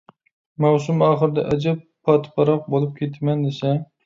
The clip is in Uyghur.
مەۋسۇم ئاخىرىدا ئەجەب پاتىپاراق بولۇپ كېتىمەن دېسە.